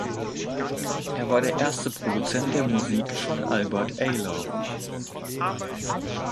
Er war der erste Produzent der Musik von Albert Ayler.